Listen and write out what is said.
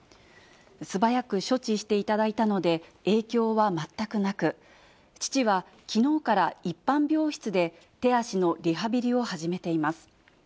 素早く処置していただいたので、影響は全くなく、父はきのうから一般病室で手足のリハビリを始めています。